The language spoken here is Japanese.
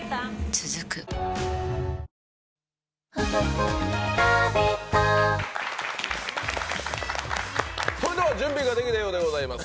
続くそれでは準備ができたようでございます。